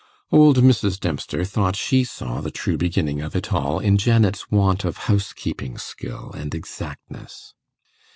Old Mrs. Dempster thought she saw the true beginning of it all in Janet's want of housekeeping skill and exactness.